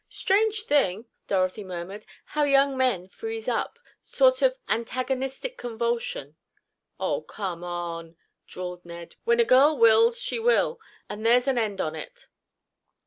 "Strange thing," Dorothy murmured, "how young men freeze up—sort of antagonistic convulsion." "Oh, come on," drawled Ned, "when a girl wills, she will—and there's an end on it."